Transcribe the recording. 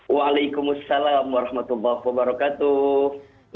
waalaikumsalam warahmatullahi wabarakatuh